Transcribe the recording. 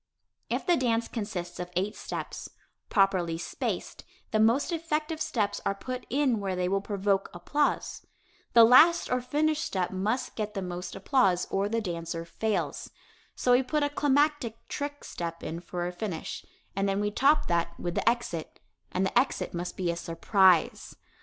If the dance consists of eight steps, properly spaced, the most effective steps are put in where they will provoke applause. The last or finish step must get the most applause or the dancer fails. So we put a climactic "trick" step in for a finish, and then we top that with the exit, and the exit must be a surprise.